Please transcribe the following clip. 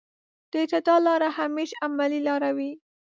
د اعتدال لاره همېش عملي لاره وي.